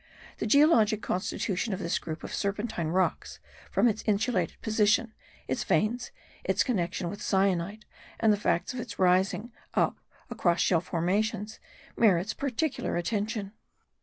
The geologic constitution of this group of serpentine rocks, from its insulated position, its veins, its connection with syenite and the fact of its rising up across shell formations, merits particular attention.